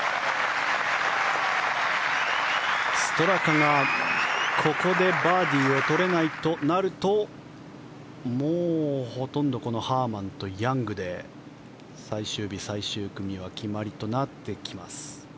ストラカが、ここでバーディーを取れないとなるともうほとんどこのハーマンとヤングで最終日、最終組は決まりとなってきます。